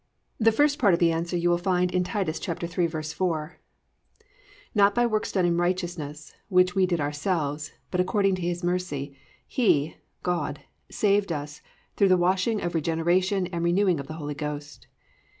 1. The first part of the answer you will find in Titus 3:4, +"Not by works done in righteousness, which we did ourselves, but according to his mercy, he+ (i.e., God) +saved us through the washing of regeneration and renewing of the Holy Ghost."